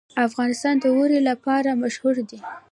افغانستان د اوړي لپاره مشهور دی.